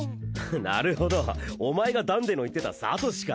なるほどお前がダンデの言ってたサトシか。